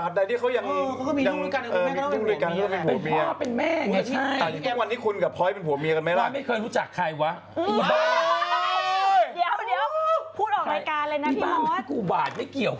มันก็ยังมีผิดเพี้ยนได้อะไรอย่างเนี้ย